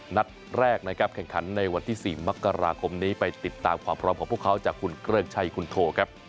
นัดแรกนะครับแข่งขันในวันที่๔มกราคมนี้ไปติดตามความพร้อมของพวกเขาจากคุณเกริกชัยคุณโทครับ